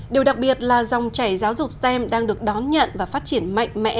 điều đặc biệt là dòng chảy giáo dục stem đang được đón nhận và phát triển mạnh mẽ